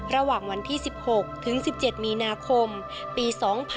ระหว่างวันที่๑๖ถึง๑๗มีนาคมปี๒๕๖๒